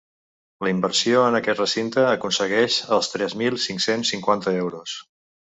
La inversió en aquest recinte aconsegueix els tres mil cinc-cents cinquanta euros.